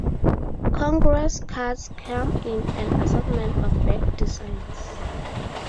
Congress cards come in an assortment of back designs.